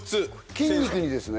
筋肉にですね？